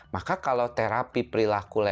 maka kalau terapi perilaku